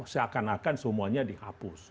seakan akan semuanya dihapus